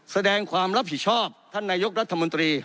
แสดงความรับผิดชอบท่านนายกรัฐมนตรี